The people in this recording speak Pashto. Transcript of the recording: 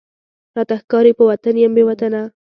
راته ښکاری په وطن یم بې وطنه،